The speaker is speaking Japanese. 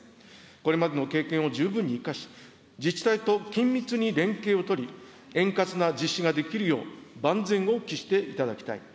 これまでの経験を十分に生かし、自治体と緊密に連携を取り、円滑な実施ができるよう、万全を期していただきたい。